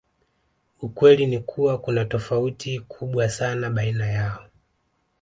Ukweli ni kuwa kuna tofauti kubwa sana baina yao